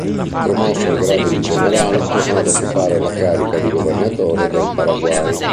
Promosso al grado di generale, tornò ad occupare la carica di governatore del Paraguay.